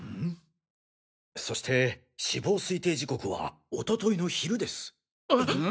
そして死亡推定時刻はおとといの昼です。